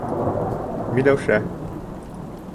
Миләүшә